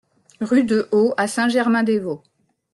Rue de Haut à Saint-Germain-des-Vaux